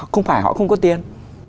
không phải họ không có tiền